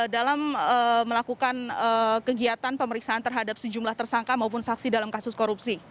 dalam melakukan kegiatan pemeriksaan terhadap sejumlah tersangka maupun saksi dalam kasus korupsi